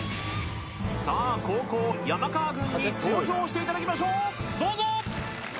さあ後攻山川軍に登場していただきましょうどうぞ！